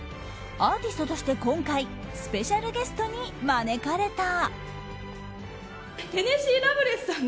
アーティストとして今回スペシャルゲストに招かれた。